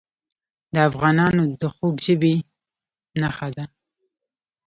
د افغانانو د خوږ ژبۍ نښه ده.